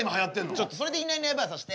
ちょっとそれでいないいないばあさせて。